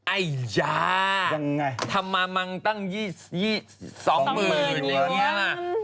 อัยยะทำมามังตั้ง๒๒๐๐๐บาทอยู่นี่แหละอัยยะยังไง